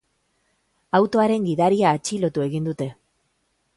Autoaren gidaria atxilotu egin dute.